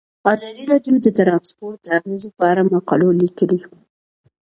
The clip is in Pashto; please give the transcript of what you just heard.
ازادي راډیو د ترانسپورټ د اغیزو په اړه مقالو لیکلي.